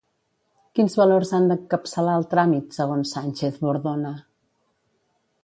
Quins valors han d'encapçalar el tràmit, segons Sánchez-Bordona?